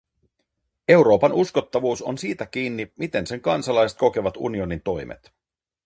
Euroopan uskottavuus on siitä kiinni, miten sen kansalaiset kokevat unionin toimet.